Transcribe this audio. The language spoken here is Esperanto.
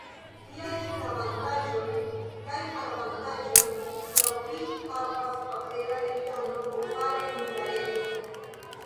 Kiajn avantaĝojn kaj malavantaĝojn laŭ vi havas papera eldono, kompare kun la reta?